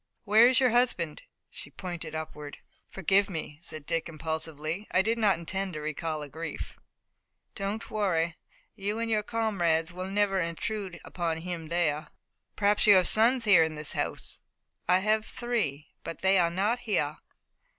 "Where is your husband?" She pointed upward. "Forgive me," said Dick impulsively. "I did not intend to recall a grief." "Don't worry. You and your comrades will never intrude upon him there." "Perhaps you have sons here in this house?" "I have three, but they are not here."